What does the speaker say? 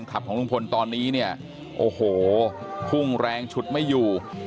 ตรงขับของลงพลตอนนี้โอ้โฮ้หุ้งแรงฉุดไม่อยู่